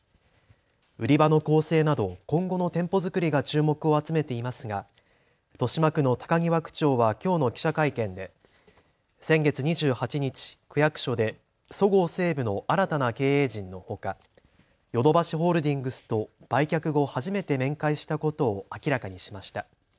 売り場の構成など今後の店舗作りが注目を集めていますが豊島区の高際区長はきょうの記者会見で先月２８日、区役所でそごう・西武の新たな経営陣のほかヨドバシホールディングスと売却後、初めて面会したことを明らかにしました。